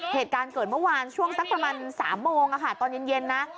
เหตุการณ์เกิดเมื่อวานช่วงสักประมาณ๓โมงตอนเย็นนะ